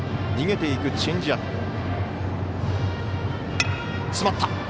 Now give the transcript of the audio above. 逃げていくチェンジアップ。